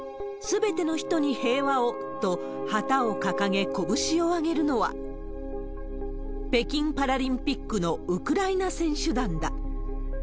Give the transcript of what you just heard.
すべての人に平和を、と旗を掲げ、拳を上げるのは、北京パラリンピックのウクライナ選手団だ。